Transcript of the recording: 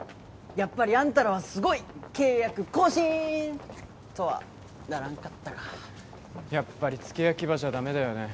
やっぱりあんたらはすごいっ契約更新ー！とはならんかったかやっぱり付け焼き刃じゃダメだよね